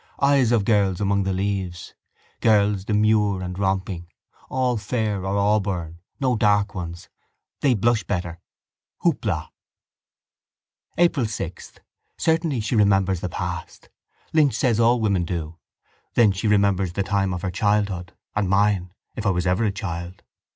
Eyes of girls among the leaves. Girls demure and romping. All fair or auburn: no dark ones. They blush better. Houp la! April 6. Certainly she remembers the past. Lynch says all women do. Then she remembers the time of her childhood—and mine if I was ever a child.